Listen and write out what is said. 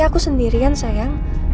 aku sendirian sayang